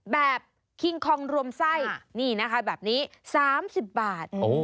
คิงคองรวมไส้นี่นะคะแบบนี้๓๐บาท